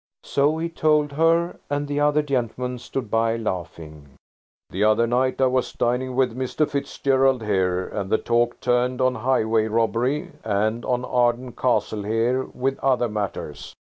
So he told her, and the other gentlemen stood by, laughing. "The other night I was dining with Mr. Fitzgerald here, and the talk turned on highway robbery, and on Arden Castle here, with other matters.